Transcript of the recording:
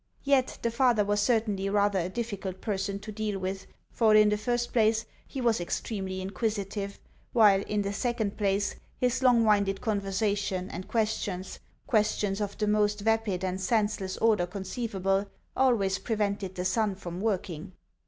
Yet the father was certainly rather a difficult person to deal with, for, in the first place, he was extremely inquisitive, while, in the second place, his long winded conversation and questions questions of the most vapid and senseless order conceivable always prevented the son from working.